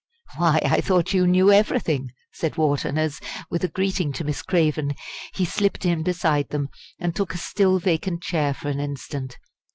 "Why, I thought you knew everything," said Wharton as, with a greeting to Miss Craven, he slipped in beside them and took a still vacant chair for an instant.